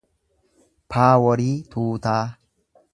paaworii tuutaa